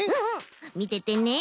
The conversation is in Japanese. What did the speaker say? みててね。